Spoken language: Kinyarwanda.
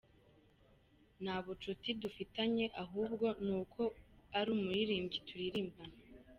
Nta bucuti dufitanye ahubwo ni uko ari umuririmbyi turirimbana.